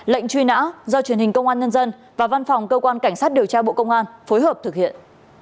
lệnh truy nã do truyền hình công an nhân dân và văn phòng cơ quan cảnh sát điều tra bộ công an phối hợp thực hiện